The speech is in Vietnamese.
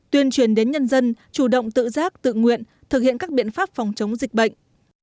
tuyên truyền đến nhân dân chủ động tự giác tự nguyện thực hiện các biện pháp phòng chống dịch bệnh